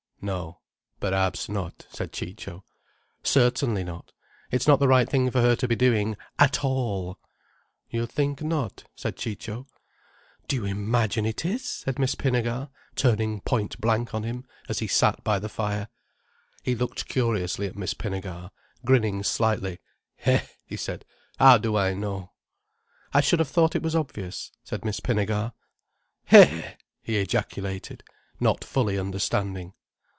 "No, perhaps not," said Ciccio. "Certainly not. It's not the right thing for her to be doing, at all!" "You think not?" said Ciccio. "Do you imagine it is?" said Miss Pinnegar, turning point blank on him as he sat by the fire. He looked curiously at Miss Pinnegar, grinning slightly. "Hé!" he said. "How do I know!" "I should have thought it was obvious," said Miss Pinnegar. "Hé!" he ejaculated, not fully understanding.